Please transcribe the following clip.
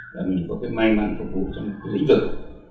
là mình có cái may mắn phục vụ trong một cái lĩnh vực